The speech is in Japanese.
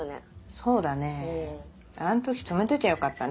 そうだねあの時止めときゃよかったね。